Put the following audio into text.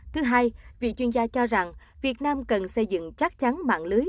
thứ hai vị chuyên gia cho rằng việt nam cần xây dựng chắc chắn mạng lưới